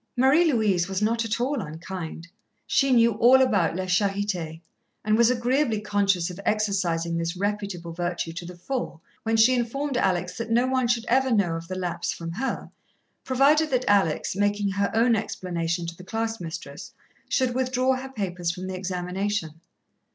Marie Louise was not at all unkind. She knew all about la charité, and was agreeably conscious of exercising this reputable virtue to the full, when she informed Alex that no one should ever know of the lapse from her, provided that Alex, making her own explanation to the class mistress, should withdraw her papers from the examination.